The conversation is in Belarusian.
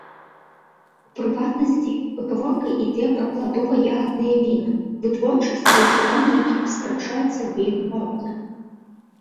У прыватнасці, гаворка ідзе пра пладова-ягадныя віна, вытворчасць і ўжыванне якіх скарачаецца вельмі марудна.